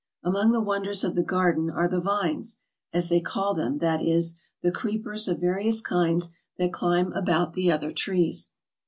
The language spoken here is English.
Among the wonders of the garden are the vines, as they call them, that is, the creepers of various kinds that climb about the other trees.